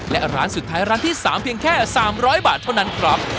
และร้านสุดท้ายร้านที่๓เพียงแค่๓๐๐บาทเท่านั้นครับ